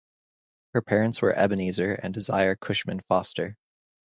Her parents were Ebenezer and Desire Cushman Foster.